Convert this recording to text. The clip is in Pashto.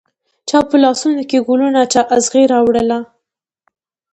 چا په لاسونوکې ګلونه، چااغزي راوړله